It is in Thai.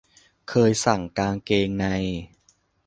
เคยสั่งกางเกงใน